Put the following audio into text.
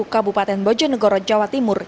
kabupaten bojonegoro jawa timur